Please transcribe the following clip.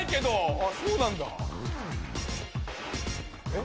あっそうなんだ。えっ？